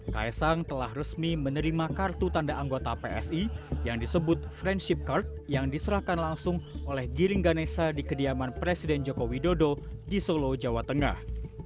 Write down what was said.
kaisang telah resmi menerima kartu tanda anggota psi yang disebut friendship card yang diserahkan langsung oleh giring ganesa di kediaman presiden joko widodo di solo jawa tengah